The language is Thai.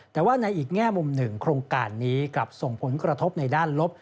แต่ว่าในอีกแง่มุมหนึ่งโครงการนี้กลับส่งผลกระทบในด้านลบ